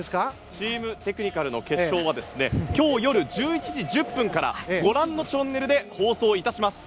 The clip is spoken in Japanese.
チーム・テクニカルの決勝は今日夜１１時１０分からご覧のチャンネルで放送いたしました。